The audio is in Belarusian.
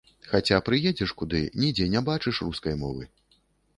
Хаця прыедзеш куды, нідзе не бачыш рускай мовы.